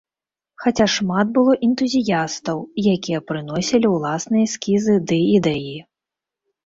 Хаця шмат было энтузіястаў, якія прыносілі ўласныя эскізы ды ідэі.